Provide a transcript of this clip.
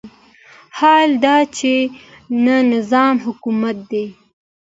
حال دا چې نه نظام حکومت دی.